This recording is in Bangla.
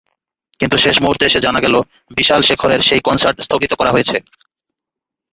কিন্তু শেষ মুহূর্তে এসে জানা গেল, বিশাল-শেখরের সেই কনসার্ট স্থগিত করা হয়েছে।